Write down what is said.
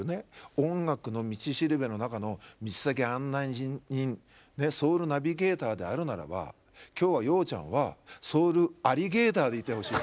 音楽の道しるべの中の水先案内人ソウルナビゲーターであるならば今日は洋ちゃんはソウルアリゲーターでいてほしい。